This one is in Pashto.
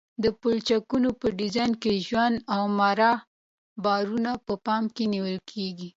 د پلچکونو په ډیزاین کې ژوندي او مړه بارونه په پام کې نیول کیږي